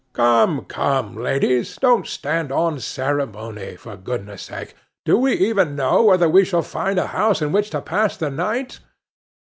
Come, come, ladies, don't stand on ceremony, for goodness' sake! Do we even know whether we shall find a house in which to pass the night?